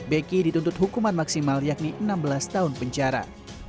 beki dituntut hukuman maksimal yakni enam belas tahun penjara